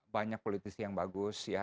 banyak politisi yang bagus